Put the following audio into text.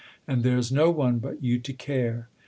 And there's no one but you to care.